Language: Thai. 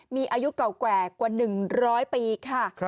มีอายุเก่าแก่กว่า๑๐๐ปีค่ะ